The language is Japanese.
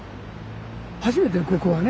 初めてよここはね。